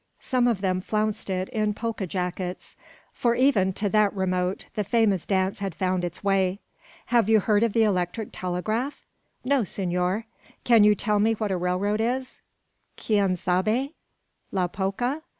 Some of them flounced it in polka jackets; for even to that remote region the famous dance had found its way. "Have you heard of the electric telegraph?" "No, senor." "Can you tell me what a railroad is?" "Quien sabe?" "La polka?"